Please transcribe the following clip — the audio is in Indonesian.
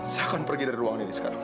saya akan pergi dari ruangan ini sekarang